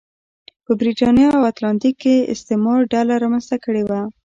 په برېتانیا او اتلانتیک کې استعمار ډله رامنځته کړې وه.